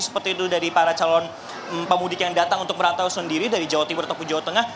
seperti itu dari para calon pemudik yang datang untuk merantau sendiri dari jawa timur ataupun jawa tengah